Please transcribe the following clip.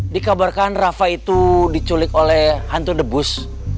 dikabarkan rafa itu diculik oleh hantu debus